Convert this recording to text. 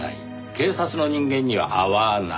警察の人間には会わない。